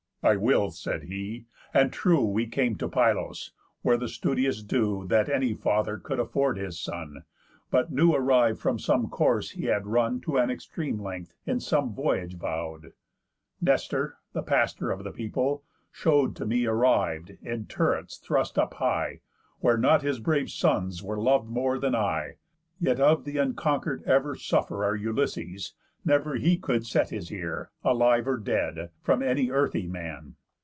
"I will," said he, "and true. We came to Pylos, where the studious due That any father could afford his son, (But new arriv'd from some course he had run To an extreme length, in some voyage vow'd), Nestor, the pastor of the people, show'd To me arriv'd, in turrets thrust up high, Where not his brave sons were more lov'd than I. Yet of th' unconquer'd ever sufferer; Ulysses, never he could set his ear, Alive or dead, from any earthy man.